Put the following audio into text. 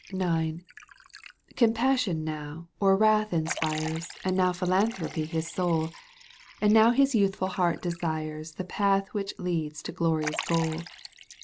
IX. Compassion now or wrath inspires And now philanthropy his soul, And now his youthful heart desires The path which leads to glory's goal.